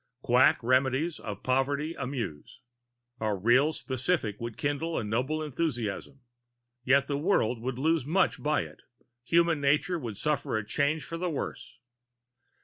Quack remedies for poverty amuse; a real specific would kindle a noble enthusiasm. Yet the world would lose much by it; human nature would suffer a change for the worse.